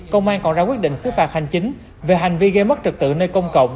công an còn ra quyết định xứ phạt hành chính về hành vi gây mất trực tự nơi công cộng